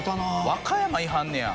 和歌山いはんねや。